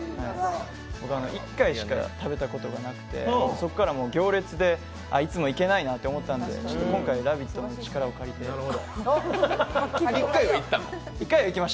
僕は１回しか食べたことがなくてそっからいつも行列でいつも行けないなって思ったんで、今回「ラヴィット！」の力を借りてちょっと。